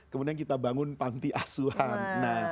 kemudian kita bangun panti asuhan